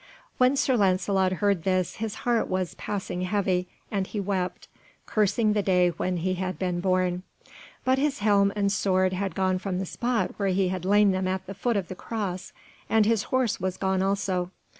When Sir Lancelot heard this, his heart was passing heavy, and he wept, cursing the day when he had been born. But his helm and sword had gone from the spot where he had laid them at the foot of the cross, and his horse was gone also.